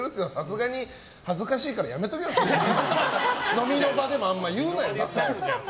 飲みの場でもあんまり言うなよダサいから。